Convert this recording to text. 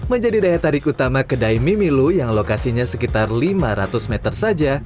menjadi daya tarik utama kedai mimilu yang lokasinya sekitar lima ratus meter saja